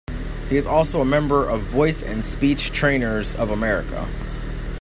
He is also a member of Voice and Speech Trainers of America.